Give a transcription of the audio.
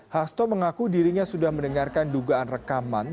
hasto mengaku dirinya sudah mendengarkan dugaan rekaman